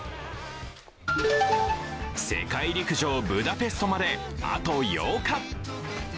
世界陸上ブダペストまであと８日。